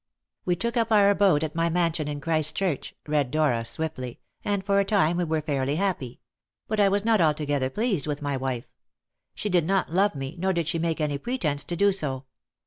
"'We took up our abode at my mansion in Christchurch,'" read Dora swiftly, "'and for a time we were fairly happy. But I was not altogether pleased with my wife. She did not love me, nor did she make any pretence to do so.